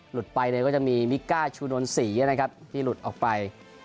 ไปเนี่ยก็จะมีมิก้าชูนนศรีนะครับที่หลุดออกไป